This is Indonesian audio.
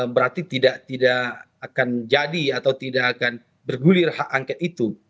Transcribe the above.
berarti tidak akan jadi atau tidak akan bergulir hak angket itu